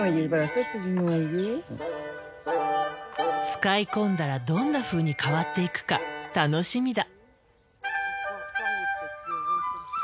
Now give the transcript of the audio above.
使い込んだらどんなふうに変わっていくか楽しみだ。